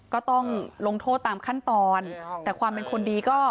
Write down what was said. ก็ต้องลงโทษตามขั้นตอนแต่ความเป็นคนดีก็